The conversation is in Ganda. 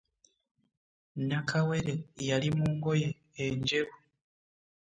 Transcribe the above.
Nakawere yali mungoye enjeru?